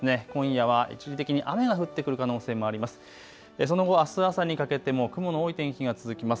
今夜は一時的に雨が降ってくる可能性もあります。